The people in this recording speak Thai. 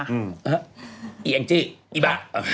อืมหึเฮ้อไอ้แองจี้ไอ้บั๊ะ